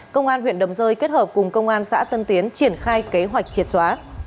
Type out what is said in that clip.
công an huyện đầm rơi kết hợp cùng công an xã tân tiến triển khai kế hoạch triệt xóa